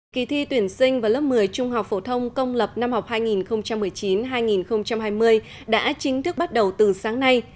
kỳ thi tuyển sinh vào lớp một mươi trung học phổ thông công lập năm học hai nghìn một mươi chín hai nghìn hai mươi đã chính thức bắt đầu từ sáng nay